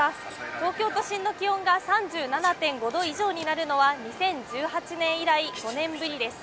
東京都心の気温が３７．５度以上になるのは、２０１８年以来５年ぶりです。